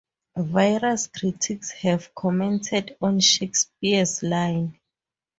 Various critics have commented on Shakespeare's line.